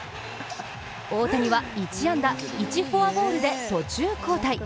大谷は１安打、１フォアボールで途中交代。